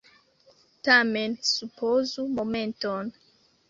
Tamen supozu momenton.